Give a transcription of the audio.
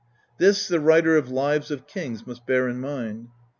This the writer of lives of kings must bear in mind.